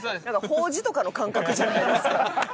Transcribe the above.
法事とかの感覚じゃないですか。